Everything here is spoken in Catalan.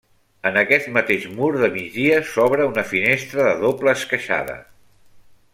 En aquest mateix mur de migdia s'obre una finestra de dobla esqueixada.